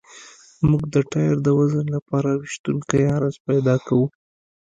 موږ د ټایر د وزن لپاره ویشونکی عرض پیدا کوو